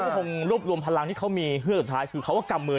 ก็คงรวบรวมพลังที่เขามีเครื่องสุดท้ายคือเขาก็กำมือ